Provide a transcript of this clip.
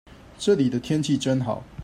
這裡的天氣真好